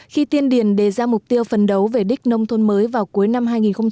khi tiên điền đề ra mục tiêu phần đấu về đích nông thôn mới vào cuối năm hai nghìn một mươi sáu